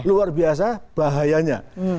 luar biasa bahayanya